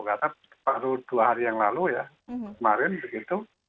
karena baru dua hari yang lalu ya kemarin begitu